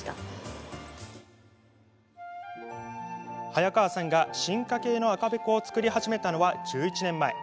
早川さんが進化系の赤べこを作り始めたのは１１年前。